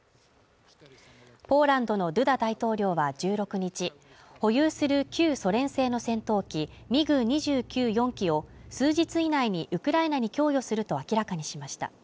ポーランドのドゥダ大統領は１６日、保有する旧ソ連製の戦闘機ミグ２９、４機を数日以内にウクライナに供与すると明らかにしました。